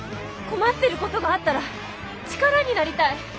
困ってることがあったら力になりたい。